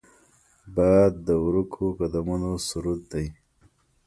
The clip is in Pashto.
باد د ورکو قدمونو سرود دی